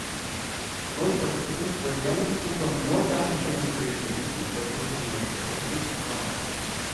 Most participants were young people from North African immigration, who protested against racist crimes.